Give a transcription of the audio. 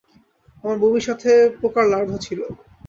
আমার বমির সাথে পোকার লার্ভা ছিল।